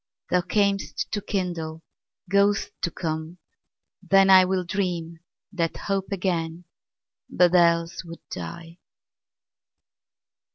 Thou cam'st to kindle, goest to come: then IWill dream that hope again, but else would die.